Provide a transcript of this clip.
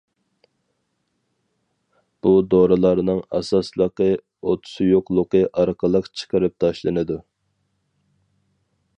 بۇ دورىلارنىڭ ئاساسلىقى ئۆت سۇيۇقلۇقى ئارقىلىق چىقىرىپ تاشلىنىدۇ.